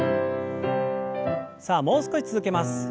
さあもう少し続けます。